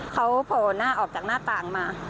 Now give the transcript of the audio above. เขาโผล่หน้าออกจากหน้าต่างมา